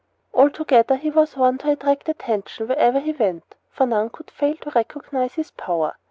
Altogether, he was one to attract attention wherever he went, for none could fail to recognize his power.